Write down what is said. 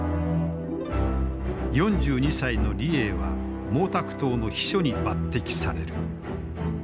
４２歳の李鋭は毛沢東の秘書に抜てきされる。